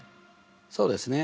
そうですね。